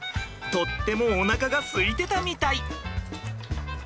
とってもおなかがすいてたみたい。